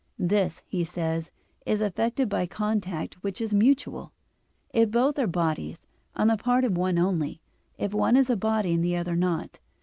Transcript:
This, he says, is effected by contact which is mutual if both are bodies; on the part of one only, if one is a body and the other not.